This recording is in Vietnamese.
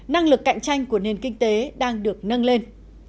năng lực cạnh tranh của nền kinh tế đang được nâng lên